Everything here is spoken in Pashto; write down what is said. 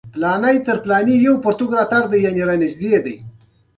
با سلیقه کس باید له معمولي خلکو سره ډوډۍ ونه خوري.